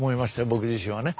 僕自身はね。